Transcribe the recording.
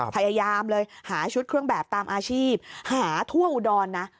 พยายามเลยหาชุดเครื่องแบบตามอาชีพหาทั่วอุดรนะ